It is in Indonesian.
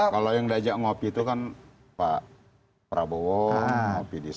kalau yang diajak ngopi itu kan pak prabowo ngopi di sana